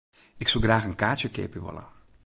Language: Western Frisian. Ik soe graach in kaartsje keapje wolle.